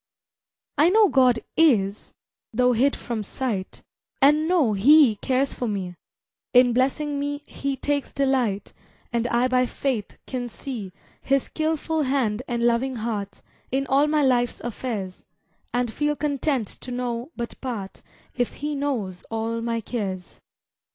I know God is, tho' hid from sight, And know He cares for me; In blessing me He takes delight, And I by faith can see His skilful hand and loving heart, In all my life's affairs, And feel content to know but part If He knows all my cares.